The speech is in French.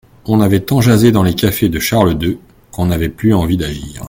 On avait tant jasé dans les cafés de Charles deux, qu'on n'avait plus envie d'agir.